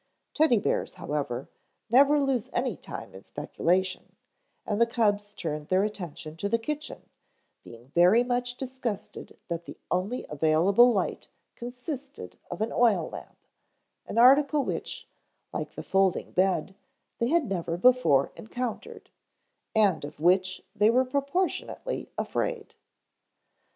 Teddy bears, however, never lose any time in speculation, and the cubs turned their attention to the kitchen, being very much disgusted that the only available light consisted of an oil lamp, an article which, like the folding bed, they had never before encountered, and of which they were proportionately afraid.